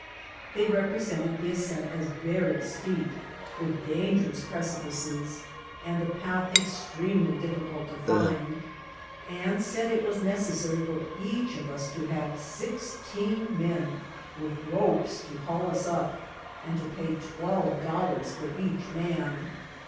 They represented the ascent as very steep, with dangerous precipices, and the path extremely difficult to find, and said it was neces sary for each of us to have sixteen men with ropes to haul us up, and to pay twelve dollars for each man.